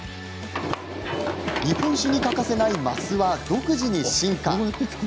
日本酒に欠かせない升は独自に進化。